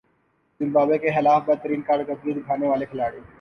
Zimbabwe کے خلاف بدترین کارکردگی دکھانے والے کھلاڑی